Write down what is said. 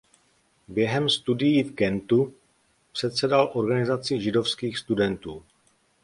Během studií v Gentu předsedal organizaci židovských studentů.